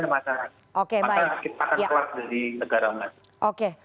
masyarakat kita akan kelas dari negara masyarakat